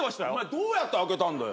どうやって開けたんだよ